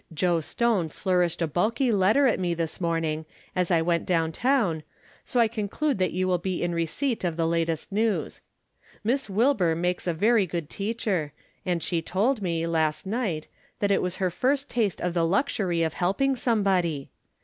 Joe Stone flourished a bulky letter at me this morning, as I went down town, so I conclude that j^ou will be in receipt of the latest news. Miss Wilbur makes a very good teacher, and she told me, last night, that it was her first taste of the luxury of helping somebody!